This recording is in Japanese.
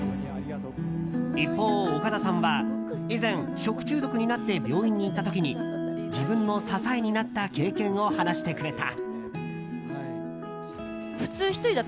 一方、岡田さんは以前、食中毒になって病院に行った時に自分の支えになった経験を話してくれた。